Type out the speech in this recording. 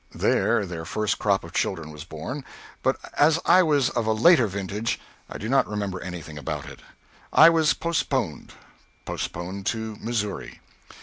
There their first crop of children was born, but as I was of a later vintage I do not remember anything about it. I was postponed postponed to Missouri.